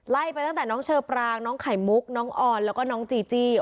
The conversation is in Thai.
ไล่ไปตั้งแต่น้องเชอปรางน้องไข่มุกน้องออนแล้วก็น้องจีจี้